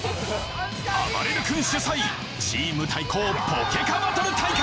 あばれる君主催チーム対抗ポケカバトル大会！